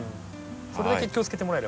それだけ気をつけてもらえれば。